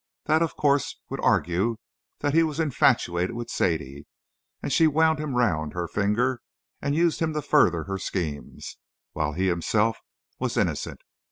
That, of course, would argue that he was infatuated with Sadie and she wound him round her finger and used him to further her schemes, while he himself was innocent.